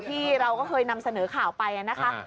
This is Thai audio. ที่เราก็เคยนำเสนอข่าวไปนะคะ